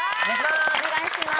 お願いします。